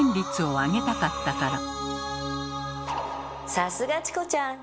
さすがチコちゃん！